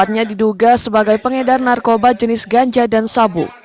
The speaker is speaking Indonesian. empatnya diduga sebagai pengedar narkoba jenis ganja dan sabu